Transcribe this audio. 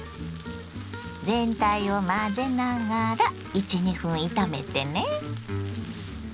全体を混ぜながら１２分炒めてね。